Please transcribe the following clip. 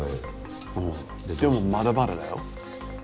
でもまだまだだよ。